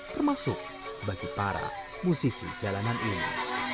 termasuk bagi para musisi jalanan ini